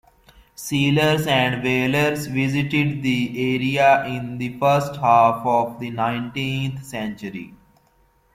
Sealers and whalers visited the area in the first half of the nineteenth century.